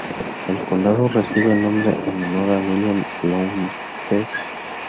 El condado recibe su nombre en honor a William Lowndes.